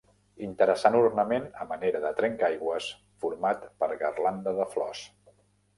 Interessant ornament a manera de trencaaigües format per garlanda de flors.